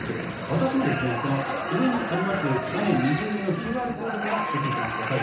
私の上にあります、画面右上のＱＲコードからぜひ、ご覧ください。